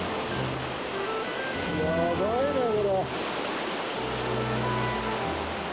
やばいな、これは。